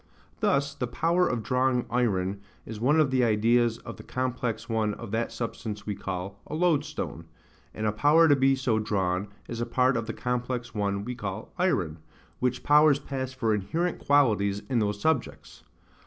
Thus, the power of drawing iron is one of the ideas of the complex one of that substance we call a loadstone; and a power to be so drawn is a part of the complex one we call iron: which powers pass for inherent qualities in those subjects.